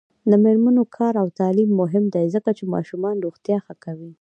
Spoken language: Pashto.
د میرمنو کار او تعلیم مهم دی ځکه چې ماشومانو روغتیا ښه کو.